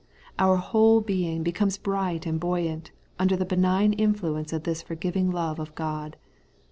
Our whole being be comes bright and buoyant under the benign influ ence of this forgiving love of God.